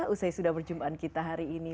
usai sudah perjumpaan kita hari ini